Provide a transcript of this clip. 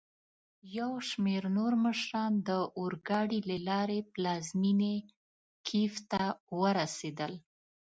یوشمیرنورمشران داورګاډي له لاري پلازمېني کېف ته ورسېدل.